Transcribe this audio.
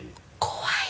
怖い？